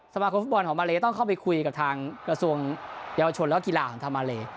สมาคมฟุตบอลของมาเลต้องเข้าไปคุยกับทางกระทรวงเยาวชนและกีฬาของทางมาเล